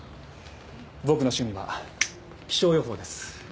僕の趣味は気象予報です。